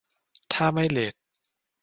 ถ้าไม่เลท